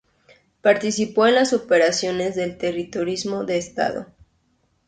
Participó en las operaciones del terrorismo de Estado.